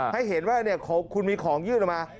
ให้เห็นว่าคุณมีของยื่นออกมา